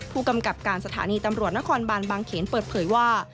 ผู้กำกับการสถานีตำรวจนครบานบางเขนเปิดเผยว่า